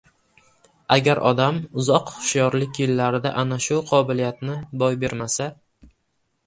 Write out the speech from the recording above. Agar odam uzoq hushyorlik yillarida ana shu qobiliyatni boy bermasa.